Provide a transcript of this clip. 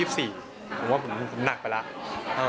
ผมว่าผมหนักไปแล้ว